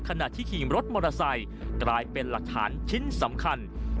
ขณะที่ขี่รถมอเตอร์ไซค์กลายเป็นหลักฐานชิ้นสำคัญ